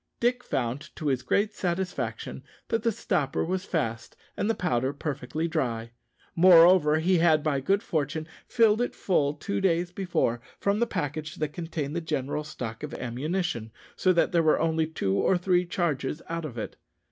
Dick found, to his great satisfaction, that the stopper was fast and the powder perfectly dry. Moreover, he had by good fortune filled it full two days before from the package that contained the general stock of ammunition, so that there were only two or three charges out of it.